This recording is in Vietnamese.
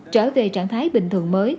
trở về trạng thái bình thường mới